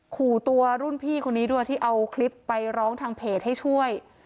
ขู่ตัวรุ่นพี่คนนี้ด้วยที่เอาคลิปไปร้องทางเพจให้ช่วย